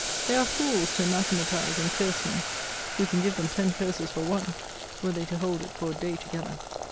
They are fools to anathematize and curse me, who can give them ten curses for one, were they to hold it for a day together.